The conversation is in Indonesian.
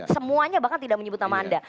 semuanya bahkan tidak menyebut nama anda